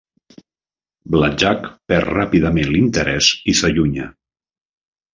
Black Jack perd ràpidament l'interès i s'allunya.